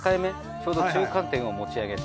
ちょうど中間点を持ち上げて。